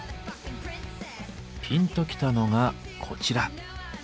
ピンときたのがこちら。